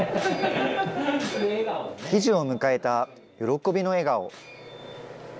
喜寿を迎えた喜びの笑顔。